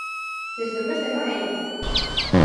¡Desde o mes de maio!